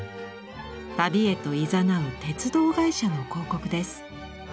旅へといざなう鉄道会社の広告です。